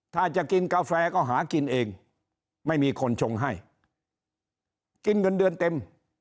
ถ้าจะกินกาแฟก็หากินเองไม่มีคนชงให้กินเงินเดือนเต็ม